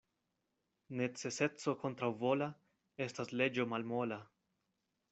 Neceseco kontraŭvola estas leĝo malmola.